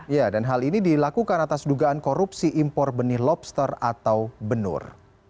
ya dan hal ini dilakukan atas dugaan korupsi impor benih lobster atau benur